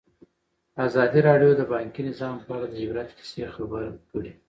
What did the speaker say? ازادي راډیو د بانکي نظام په اړه د عبرت کیسې خبر کړي.